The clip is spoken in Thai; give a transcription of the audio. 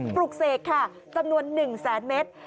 ปลูกเสกค่ะจำนวน๑๐๐๐๐๐เมตร